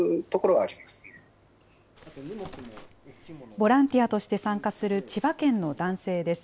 ボランティアとして参加する千葉県の男性です。